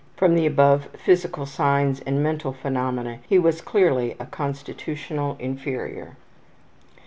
From the above physical signs and mental phenomena he was clearly a constitutional inferior.